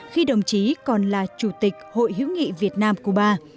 khi đồng chí còn là chủ tịch hội hữu nghị việt nam cuba